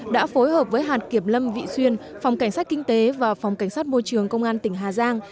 đã phối hợp với hạt kiểm lâm vị xuyên phòng cảnh sát kinh tế và phòng cảnh sát môi trường công an tỉnh hà giang